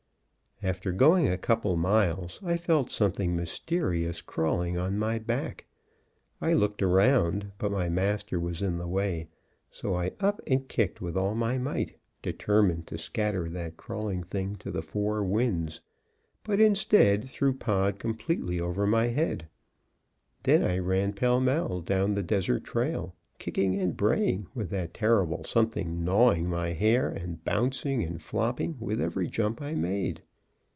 After going a couple miles, I felt something mysterious crawling on my back. I looked around, but my master was in the way; so I up and kicked with all my might, determined to scatter that crawling thing to the four winds, but, instead, threw Pod completely over my head. Then I ran pell mell down the desert trail, kicking and braying, with that terrible something gnawing my hair and bouncing and flopping with every jump I made.